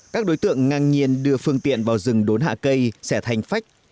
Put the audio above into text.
các đối tượng ngang nhiên đưa phương tiện vào rừng đốn hạ cây sẽ thành phách